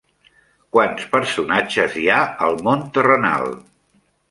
Quants personatges hi ha al món terrenal?